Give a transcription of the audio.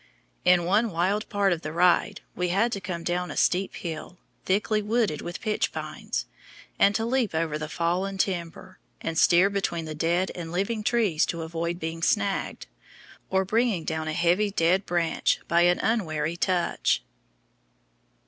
In one wild part of the ride we had to come down a steep hill, thickly wooded with pitch pines, to leap over the fallen timber, and steer between the dead and living trees to avoid being "snagged," or bringing down a heavy dead branch by an unwary touch.